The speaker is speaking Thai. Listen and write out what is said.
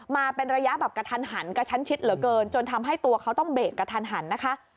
มาเป็นระยะแบบกระทันหันกระชั้นชิดเหลือเกินจนทำให้ตัวเขาต้องเบรกกระทันหันนะคะ